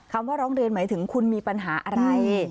คำว่าร้องเรียนหมายถึงคุณมีปัญหาอะไร